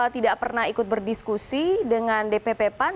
tidak pernah ikut berdiskusi dengan dpp pan